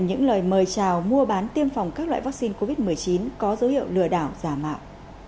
xuất hiện những lời mời trào mua bán tiêm phòng các loại vaccine covid một mươi chín có dấu hiệu lừa đảo giả mạo